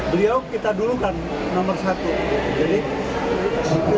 beliau kita dulukan nomor satu